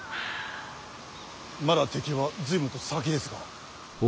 まだ敵は随分と先ですが。